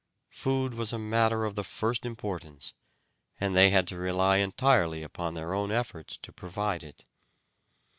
Food was a matter of the first importance, and they had to rely entirely upon their own efforts to provide it.